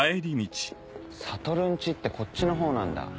悟ん家ってこっちのほうなんだ。